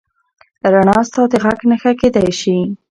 رڼا ستا د غږ نښه کېدی شي.